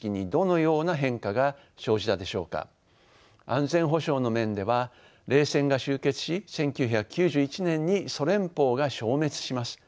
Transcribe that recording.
安全保障の面では冷戦が終結し１９９１年にソ連邦が消滅します。